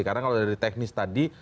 karena kalau dari teknis tadi